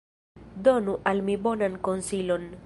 Donu al mi bonan konsilon.